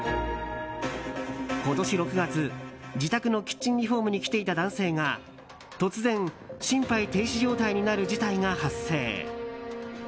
今年６月自宅のキッチンリフォームに来ていた男性が突然、心肺停止状態になる事態が発生。